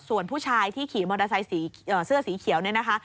ส่วนผู้ชายที่ขี่มอเตอร์ไซค์เสื้อสีเขียวเนี่ยนะคะ